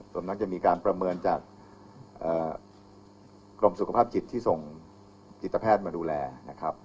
ส่วนนักจะมีการประเมินจากกรมสุขภาพจิตที่ส่งจิตแพทย์มาดูแลนะครับ